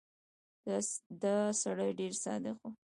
دا سړی ډېر صادق و.